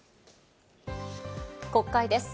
国会です。